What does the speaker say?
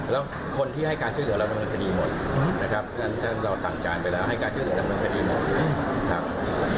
แล้วคนที่ให้การเชื่อเหลือเรานำคดีหมดเราสั่งการไปแล้วให้การเชื่อเหลือเรานำคดีหมด